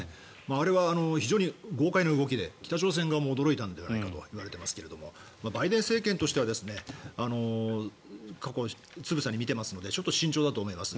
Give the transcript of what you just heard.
あれは、非常に豪快な動きで北朝鮮側も驚いたのではないかと思いますがバイデン政権としては過去、つぶさに見ていますのでちょっと慎重だと思います。